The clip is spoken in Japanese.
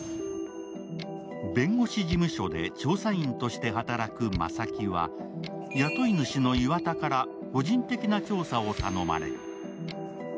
弁護士事務所で調査員として働く真崎は雇い主の岩田から個人的な調査を頼まれる。